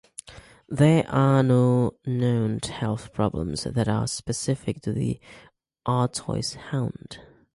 There are no known health problems that are specific to the Artois Hound.